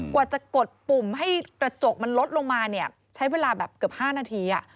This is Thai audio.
กว่าจะกดปุ่มให้กระจกมันลดลงมาเนี่ยใช้เวลาแบบเกือบ๕นาที